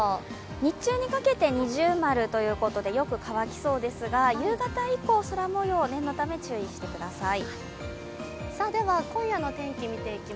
日中にかけて二重丸ということで、よく乾きそうですが夕方以降、空もよう、念のため注意してください。